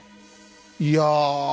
いや。